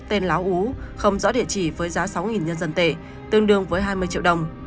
tên láo ú không rõ địa chỉ với giá sáu nhân dân tệ tương đương với hai mươi triệu đồng